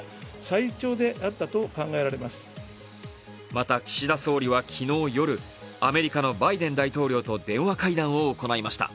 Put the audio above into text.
また岸田総理は昨日の夜アメリカのバイデン大統領と電話会談を行いました。